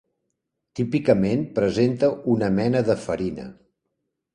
Típicament presenta una mena de farina.